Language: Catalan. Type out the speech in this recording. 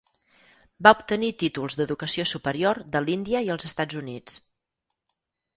Va obtenir títols d'educació superior de l'Índia i els Estats Units.